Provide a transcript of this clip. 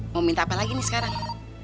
mau minta apa lagi nih sekarang